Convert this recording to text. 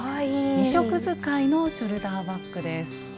２色使いのショルダーバッグです。